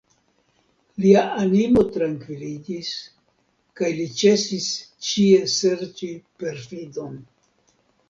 Lia animo trankviliĝis, kaj li ĉesis ĉie serĉi perfidon.